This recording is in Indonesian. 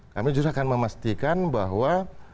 kami justru akan memastikan bahwa